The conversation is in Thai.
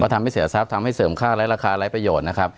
ทำให้เสียทรัพย์ทำให้เสริมค่าไร้ราคาไร้ประโยชน์นะครับ